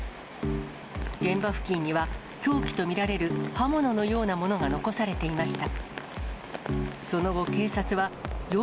現場付近には、凶器と見られる刃物のようなものが残されていました。